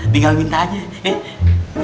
tinggal minta aja eh